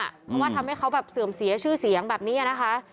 เพราะว่าทำให้เขาแบบเสื่อมเสียชื่อเสียงแบบนี้นะคะ